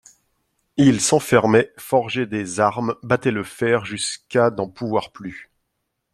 Il s'enfermait, forgeait des armes, battait le fer jusqu'à n'en pouvoir plus.